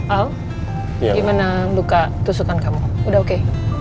al gimana buka tusukan kamu udah oke